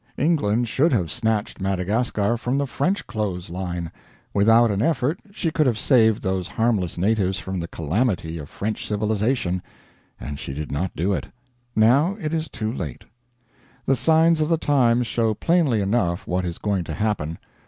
England should have snatched Madagascar from the French clothes line. Without an effort she could have saved those harmless natives from the calamity of French civilization, and she did not do it. Now it is too late. The signs of the times show plainly enough what is going to happen.